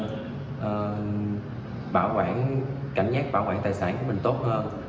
để bảo quản cảnh giác bảo quản tài sản của mình tốt hơn